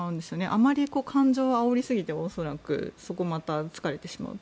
あまり感情をあおりすぎても恐らく、また突かれてしまう。